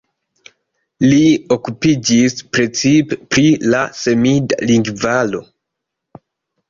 Li okupiĝis precipe pri la semida lingvaro.